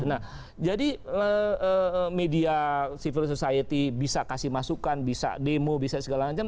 nah jadi media civil society bisa kasih masukan bisa demo bisa segala macam